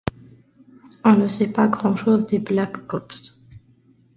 On ne sait pas grand-chose des Black Ops.